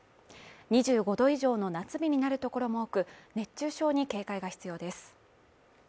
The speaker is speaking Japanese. ２５度以上の夏日になるところも多く、熱中症に警戒が必要です。